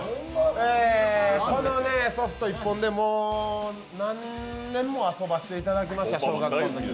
このソフト１本で何年も遊ばせていただきました、小学校のとき。